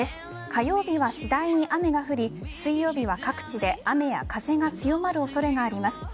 火曜日は次第に雨が降り水曜日は各地で雨や風が強まる恐れがあります。